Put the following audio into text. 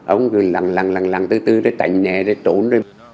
ông cứ lặng lặng lặng lặng từ từ để tảnh nhẹ để trốn